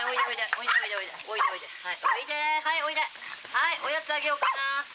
はいおやつあげようかな。